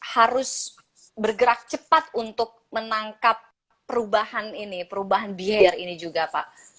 harus bergerak cepat untuk menangkap perubahan ini perubahan biaya ini juga pak